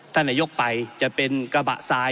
ท่านนายกไปจะเป็นกระบะทราย